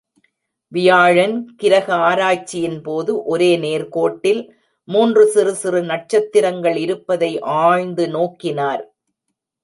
வியாழன் கிரக ஆராய்ச்சியின் போது, ஒரே நேர்க்கோட்டில் மூன்று சிறு சிறு நட்சத்திரங்கள் இருப்பதை ஆழ்ந்து நோக்கினார்.